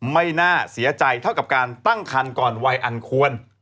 ไม่น่าเสียใจเท่ากับการตั้งคันก่อนวัยอันควร